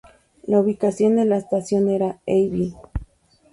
La ubicación de la estación era Av.